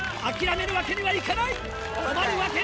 止まるわけにはいかない！